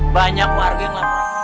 banyak warga yang